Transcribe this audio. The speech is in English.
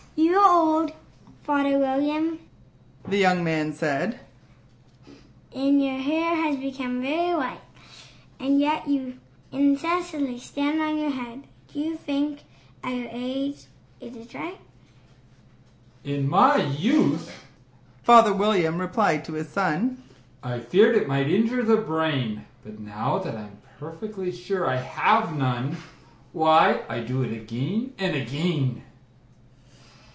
"YOU are old, father William," the young man said, "And your hair has become very white; And yet you incessantly stand on your head Do you think, at your age, it is right? "In my youth," father William replied to his son, "I feared it might injure the brain; But, now that I'm perfectly sure I have none, Why, I do it again and again."